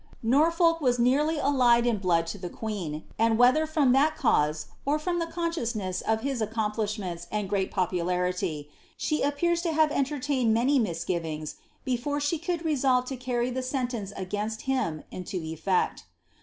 "' Norfolk was nearly allied in blood to the queen, and wlielher fr< that cause, or from the consciousness of his accomplishments and pt popularity, she appears to have entertained many misgivings before i could resolve lo carry (he sentence against him into etfeci.